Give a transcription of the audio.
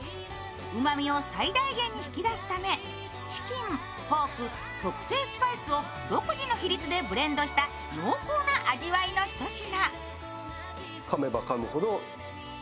うまみを最大限に引き出すためチキン、ポーク、特製スパイスを独自の比率でブレンドした濃厚な味わいのひと品。